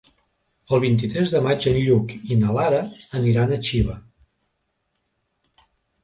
El vint-i-tres de maig en Lluc i na Lara aniran a Xiva.